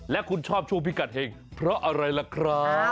และคุณชอบช่วงพิกัดเห็งเพราะอะไรล่ะครับ